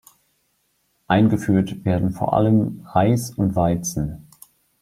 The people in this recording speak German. Eingeführt werden vor allem Reis und Weizen.